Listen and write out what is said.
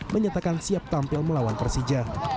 menyatakan siap tampil melawan persija